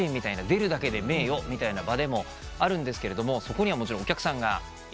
出るだけで名誉みたいな場でもあるんですけどそこにはもちろんお客さんがいるわけで。